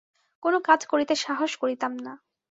কোনো কাজ করিতে সাহস করিতাম না।